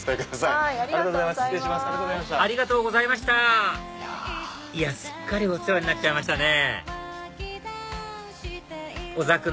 いやすっかりお世話になっちゃいましたね